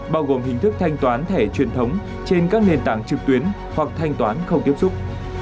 bao gồm hình thức thanh toán thẻ truyền thống trên các nền tảng trực tuyến hoặc thanh toán không tiếp xúc